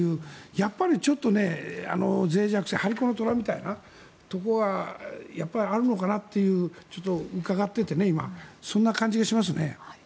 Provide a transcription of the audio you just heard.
やっぱりちょっとぜい弱性張り子の虎みたいなところはやっぱりあるのかなという今、伺っていてそんな感じがしますね。